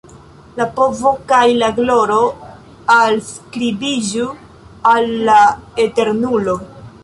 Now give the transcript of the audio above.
La povo kaj la gloro alskribiĝu al la Eternulo.